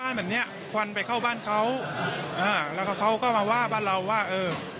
แบบเนี้ยควันไปเข้าบ้านเขาอ่าแล้วก็เขาก็มาว่าบ้านเราว่าเออ